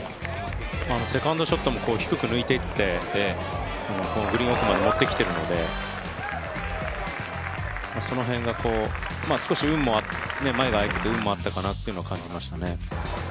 セカンドショットも低く抜いていって、グリーン奥まで持ってきているので、その辺が、少し前が空いてて運があったのかなというのも感じましたね。